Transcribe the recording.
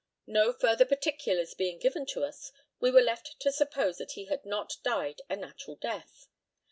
No further particulars being given us, we were left to suppose that he had not died a natural death.